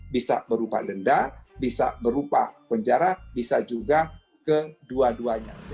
bisa berupa denda bisa berupa penjara bisa juga kedua duanya